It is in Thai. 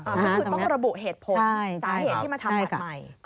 ก็คือต้องระบุเหตุผลสาเหตุที่มาทำบัตรใหม่